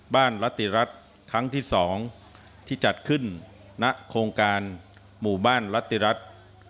บ้านลติรัติครั้งที่๒ที่จัดขึ้นณโครงการหมู่บ้านลติรัติ